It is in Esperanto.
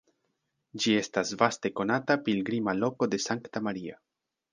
Ĝi estas vaste konata pilgrima loko de Sankta Maria.